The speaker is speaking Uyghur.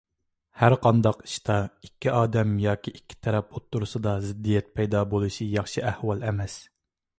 ھەرقانداق ئىشتا ئىككى ئادەم ياكى ئىككى تەرەپ ئوتتۇرىسىدا زىددىيەت پەيدا بولۇشى ياخشى ئەھۋال ئەمەس.